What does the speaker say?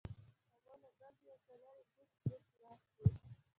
هغوی له ډزو یو څه لرې بوڅ بوڅ ناست وو.